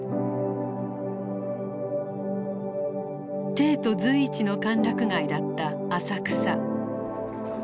帝都随一の歓楽街だった浅草。